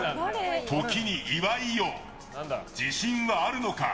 時に岩井よ、自信はあるのか？